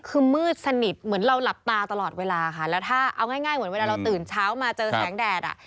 คือมืดสนิทเหมือนเราหลับตาตลอดเวลาค่ะแล้วถ้าเอาง่ายเหมือนเวลาเราตื่นเช้ามาเจอแสงแดดอ่ะ